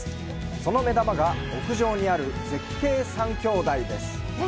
その目玉が屋上にある絶景３兄弟です。